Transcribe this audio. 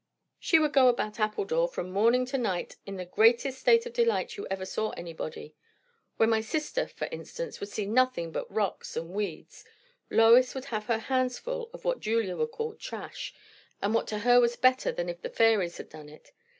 She would go about Appledore from morning to night in the greatest state of delight you ever saw anybody; where my sister, for instance, would see nothing but rocks and weeds, Lois would have her hands full of what Julia would call trash, and what to her was better than if the fairies had done it.